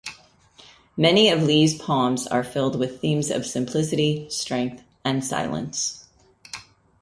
Many of Lee's poems are filled with themes of simplicity, strength, and silence.